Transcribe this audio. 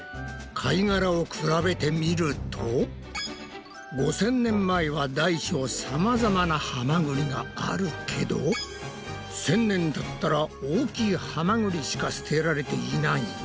貝がらを比べてみると５０００年前は大小さまざまなハマグリがあるけど１０００年たったら大きいハマグリしか捨てられていないな！